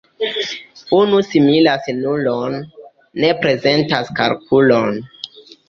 Unu similas nulon, ne prezentas kalkulon.